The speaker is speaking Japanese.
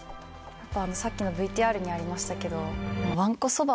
さっきのＶＴＲにありましたけど。